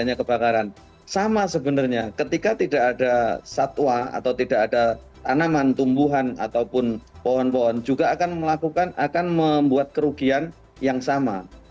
hanya kebakaran sama sebenarnya ketika tidak ada satwa atau tidak ada tanaman tumbuhan ataupun pohon pohon juga akan melakukan akan membuat kerugian yang sama